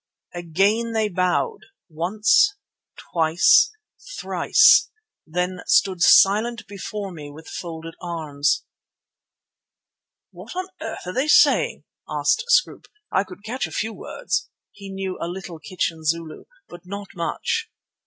Again they bowed, once, twice, thrice; then stood silent before me with folded arms. "What on earth are they saying?" asked Scroope. "I could catch a few words"—he knew a little kitchen Zulu—"but not much."